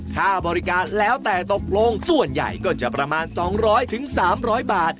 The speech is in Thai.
ค่าบริการแล้วแต่ตกลงส่วนใหญ่ก็จะประมาณ๒๐๐๓๐๐บาท